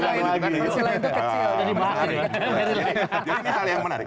ini hal yang menarik